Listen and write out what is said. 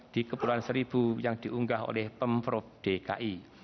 di kepulauan seribu yang diunggah oleh pemprov dki